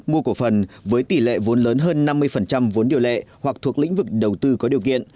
mua cổ phần với tỷ lệ vốn lớn hơn năm mươi vốn điều lệ hoặc thuộc lĩnh vực đầu tư có điều kiện